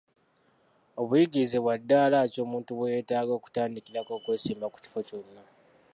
Obuyigirize bwa ddaala ki omuntu bwe yeetaaga okutandikirako okwesimba ku kifo kyonna?